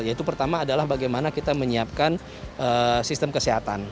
yaitu pertama adalah bagaimana kita menyiapkan sistem kesehatan